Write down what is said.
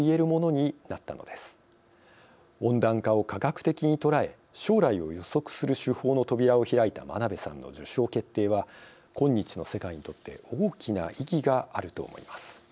温暖化を科学的に捉え将来を予測する手法の扉を開いた真鍋さんの受賞決定は今日の世界にとって大きな意義があると思います。